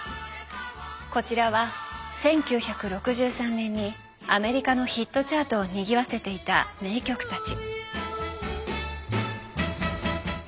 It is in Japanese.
こちらは１９６３年にアメリカのヒットチャートをにぎわせていた名曲たち。